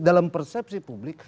dalam persepsi publik